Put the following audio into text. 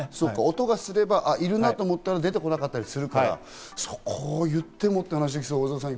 音がすれば、いるなと思ったら出てこなかったりするから、そこを言ってもって話ですよね。